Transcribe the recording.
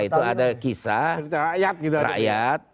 itu ada kisah rakyat